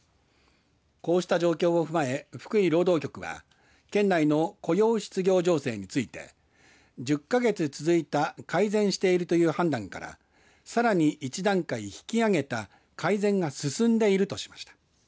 こうした状況を踏まえ福井労働局は県内の雇用失業情勢について１０か月続いた改善しているという判断からさらに１段階引き上げた改善が進んでいるとしました。